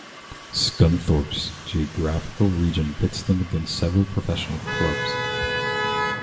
Scunthorpe's geographical region pits them against several professional clubs.